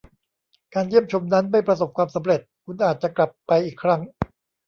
การเยี่ยมชมนั้นไม่ประสบความสำเร็จคุณอาจจะกลับไปอีกครั้ง ?